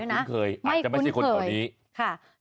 ไม่คุ้นเคยอาจจะไม่ใช่คนเท่านี้